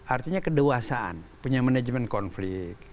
artinya kedewasaan punya manajemen konflik